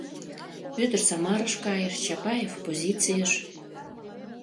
Вӧдыр Самарыш кайыш, Чапаев – позицийыш.